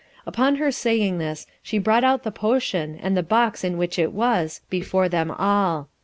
Upon her saying thus, she brought out the potion, and the box in which it was, before them all.